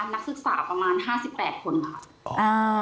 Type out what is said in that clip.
นักศึกษาประมาณ๕๘คนค่ะ